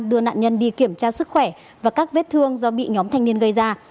đưa nạn nhân đi kiểm tra sức khỏe và các vết thương do bị nhóm thanh niên gây ra